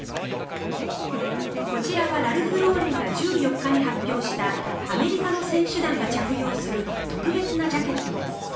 こちらはラルフローレンが１４日に発表したアメリカの選手団が着用する特別なジャケットです。